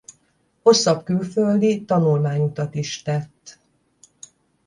Hosszabb külföldi tanulmányutat is tett.